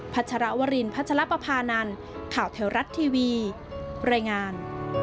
ชรวรินพัชรปภานันข่าวแถวรัฐทีวีรายงาน